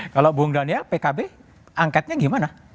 kalau bung daniel pkb angketnya gimana